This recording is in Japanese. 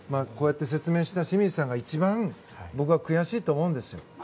こうやって説明した清水さんが一番悔しいと思うんです。